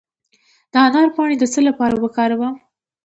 د انار پاڼې د څه لپاره وکاروم؟